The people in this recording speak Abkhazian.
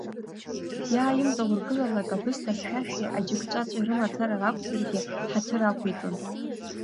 Иааимҵаургылалак, абысҭа хьшәашәеи аџьыкҵәаҵәеи рымацара ракәзаргьы, ҳаҭыр ақәиҵон.